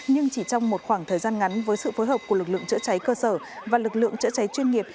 nhưng chỉ trong một khoảng thời gian ngắn với sự phối hợp của lực lượng chữa cháy cơ sở và lực lượng chữa cháy chuyên nghiệp